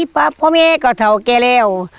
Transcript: ปะพ่อแม่กะเทาแก่เร็ว